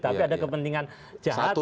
tapi ada kepentingan jahat